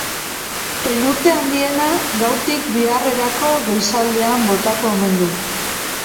Elurte handiena gaurtik biharrerako goizaldean botako omen du.